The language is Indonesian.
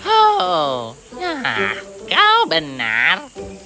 oh kau benar